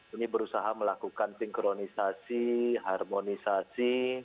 ini berusaha melakukan sinkronisasi harmonisasi